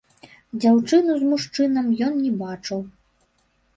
Дзяўчыну з мужчынам ён не бачыў.